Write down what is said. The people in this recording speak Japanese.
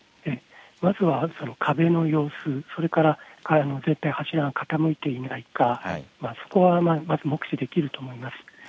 まずは壁の様子、それから柱が傾いていないか、そこは目視できると思います。